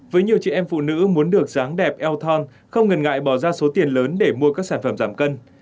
với nhiều chị em phụ nữ muốn được dáng đẹp eo thon không ngần ngại bỏ ra số tiền lớn để mua các sản phẩm giảm cao